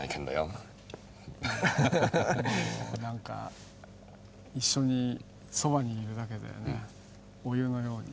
もう何か一緒にそばにいるだけでお湯のように。